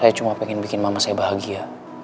saya cuma pengen bikin mama saya bahagia